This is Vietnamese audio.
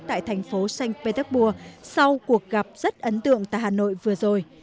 tại thành phố saint petersburg sau cuộc gặp rất ấn tượng tại hà nội vừa rồi